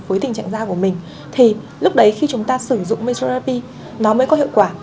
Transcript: với tình trạng da của mình thì lúc đấy khi chúng ta sử dụng metropi nó mới có hiệu quả